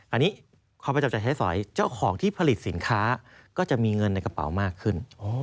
อันนี้เขาไปจับจ่ายใช้สอยเจ้าของที่ผลิตสินค้าก็จะมีเงินในกระเป๋ามากขึ้น